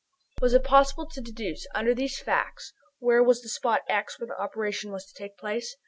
Was it possible to deduce, under these facts, where was the spot "x," where the operation was to take place?